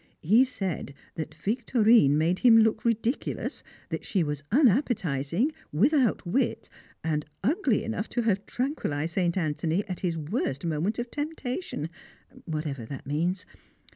He said that Victorine made him look ridiculous, that she was unappetising, without wit, and ugly enough to have tranquillised St. Anthony at his worst moment of temptation whatever that means.